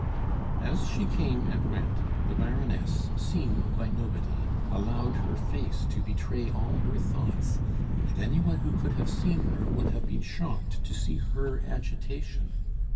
As she came and went, the Baroness, seen by nobody, allowed her face to betray all her thoughts, and any one who could have seen her would have been shocked to see her agitation.